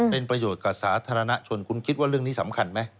เป็นประโยชน์กับสาธารณชนคุณคิดว่าเรื่องนี้สำคัญไหม